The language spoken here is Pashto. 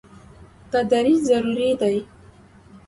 دا دریځ ضروري دی.